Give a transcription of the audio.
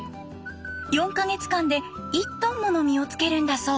４か月間で１トンもの実をつけるんだそう。